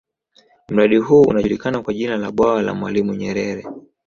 Mradi huu unajulikana kwa jina la Bwawa la mwalimu nyerere